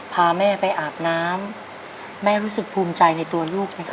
พาแม่ไปอาบน้ำแม่รู้สึกภูมิใจในตัวลูกไหมค